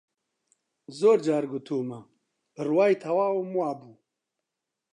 زۆر جار گوتوومە، بڕوای تەواوم وا بوو